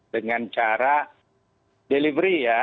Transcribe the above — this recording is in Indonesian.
dengan cara delivery ya